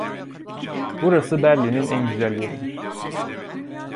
Burası Berlin'in en güzel yeridir.